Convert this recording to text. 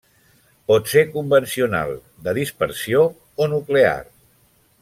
Pot ser convencional, de dispersió o nuclear.